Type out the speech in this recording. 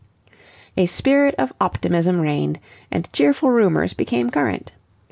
A spirit of optimism reigned, and cheerful rumours became current.